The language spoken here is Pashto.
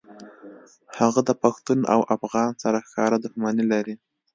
هغه د پښتون او افغان سره ښکاره دښمني لري